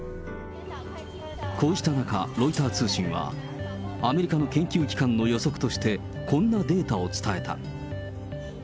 こうした中、ロイター通信はアメリカの研究機関の予測として、こんなデータを伝えた。